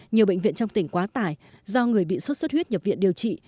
nhiều bệnh viện trong tỉnh quá tải do người bị sốt xuất huyết nhập viện điều trị